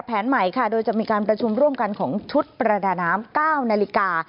แผนใหม่ค่ะโดยจะมีการประชุมร่วมกันของชุดประดาน้ำ๙นาฬิกา